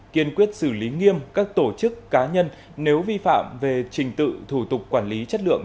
kiên quyết xử lý nghiêm các tổ chức cá nhân nếu vi phạm về trình tự thủ tục quản lý chất lượng